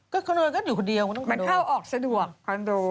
ก็คอนโดอยู่คนเดียวมันต้องคอนโดมันเข้าออกสะดวกคอนโด